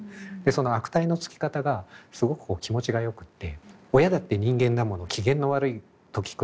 その悪態のつき方がすごく気持ちがよくって「親だって人間だもの機嫌の悪いときくらいあるのよ。